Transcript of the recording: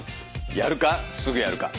やるかすぐやるか。